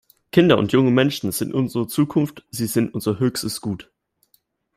Kinder und junge Menschen sind unsere Zukunft sie sind unser höchstes Gut.